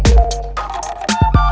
kau mau kemana